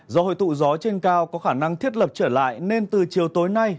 do hội tụ gió trên cao có khả năng thiết lập trở lại nên từ chiều tối nay